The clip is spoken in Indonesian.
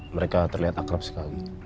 mereka terlihat akrab sekali